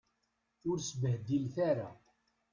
Ur sbehdilet ara.